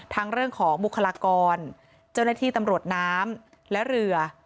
เรื่องของบุคลากรเจ้าหน้าที่ตำรวจน้ำและเรือ